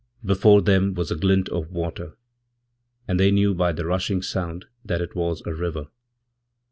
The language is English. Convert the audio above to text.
Before them was a glint of water, and they knewby the rushing sound that it was a river.